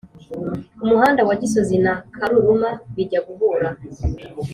umuhanda wa gisozi na karuruma bijya guhura